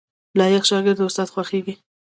لايق شاګرد د استاد خوښیږي